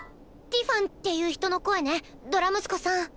ティファンっていう人の声ねドラムスコさん。